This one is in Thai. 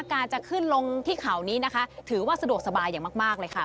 การจะขึ้นลงที่เขานี้นะคะถือว่าสะดวกสบายอย่างมากเลยค่ะ